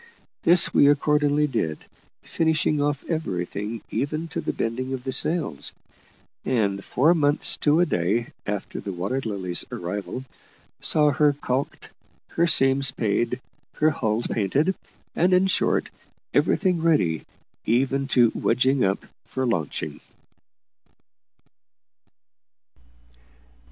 This we accordingly did, finishing off everything, even to the bending of the sails; and four months to a day after the Water Lily's arrival saw her caulked, her seams paid, her hull painted, and, in short, everything ready, even to wedging up, for launching.